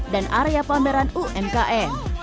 dan area pameran umkm